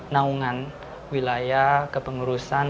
naungan wilayah kepengerusan